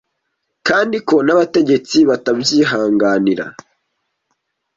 kandi ko n' abategetsi batabyihanganira